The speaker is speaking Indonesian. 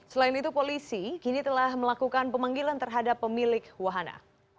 selain itu polisi kini telah melakukan pemanggilan terhadap pemilik wahana